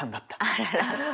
あらら。